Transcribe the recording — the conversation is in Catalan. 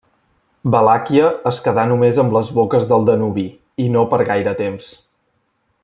Valàquia es quedà només amb les boques del Danubi, i no per gaire temps.